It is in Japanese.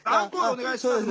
お願いします。